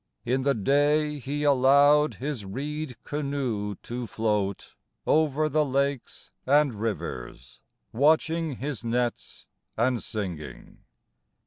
In the day he allowed his reed canoe to float Over the lakes and rivers, Watching his nets and singing.